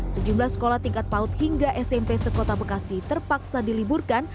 sejumlah sekolah tingkat paut hingga smp sekota bekasi terpaksa diliburkan